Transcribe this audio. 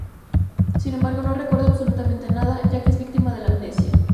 Sin embargo no recuerda absolutamente nada, ya que es víctima de la amnesia.